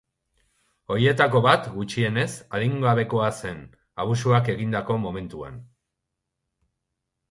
Horietako bat gutxienez adingabekoa zen abusuak egindako momentuan.